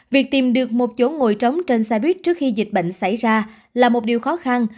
việc tìm được một chỗ ngồi trống trên xe buýt trước khi dịch bệnh xảy ra là một điều khó khăn